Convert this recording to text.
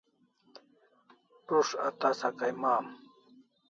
Prus't a tasa kay mam